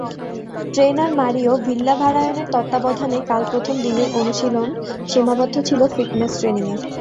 Trainer Mario ভিল্লাভারায়নের তত্ত্বাবধানে কাল প্রথম দিনের অনুশীলন সীমাবদ্ধ ছিল ফিটনেস ট্রেনিংয়ে।